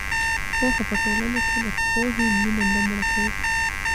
پوهه په ټولنه کې د پوهې مینه نه مړه کوي.